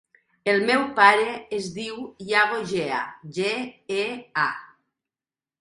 El meu pare es diu Iago Gea: ge, e, a.